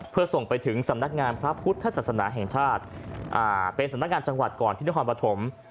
เพื่อส่งไปถึงสำนักงานพระพุทธศาสนาแห่งชาติเป็นสำนักงานจังหวัดก่อนที่นครปฐม